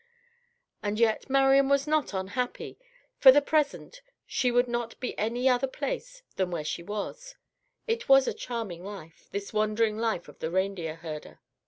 And yet Marian was not unhappy. For the present she would not be any other place than where she was. It was a charming life, this wandering life of the reindeer herder.